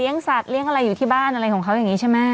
สัตว์เลี้ยงอะไรอยู่ที่บ้านอะไรของเขาอย่างนี้ใช่ไหม